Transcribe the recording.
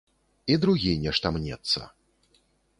І другі нешта мнецца.